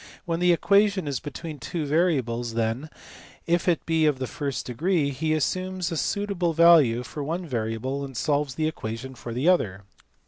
When the equation is between two variables, then, if it be of the first degree, he assumes a suitable value for one variable and solves the equation for the other.